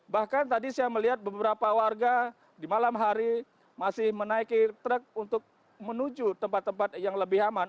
bahkan tadi saya melihat beberapa warga di malam hari masih menaiki truk untuk menuju tempat tempat yang lebih aman